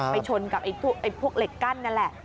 ไปชนกับพวกเหล็กกั้นนั่นแหละ